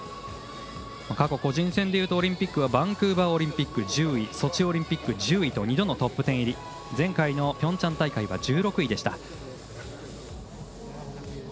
過去個人戦でいうとオリンピックはバンクーバーオリンピック１０位ソチオリンピック、１０位と２度のトップ１０入りで前回ピョンチャンオリンピックは１６位でした。